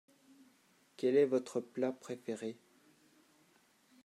Quelle est votre plat préféré ?